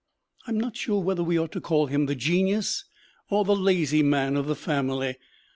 I am not sure whether we ought to call him the genius or the lazy man of the family.